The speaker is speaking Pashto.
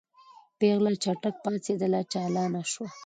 پېغله چټک پاڅېدله چالانه شوه.